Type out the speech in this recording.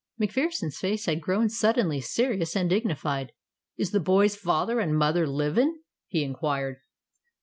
MacPherson's face had grown suddenly serious and dignified. "Is the boy's father and mother livin'?" he inquired.